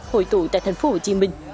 hội tụ tại thành phố hồ chí minh